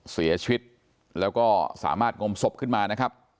เสียชีวิตและสามารถงมศพขึ้นมา